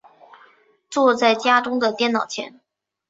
坐在家中的电脑前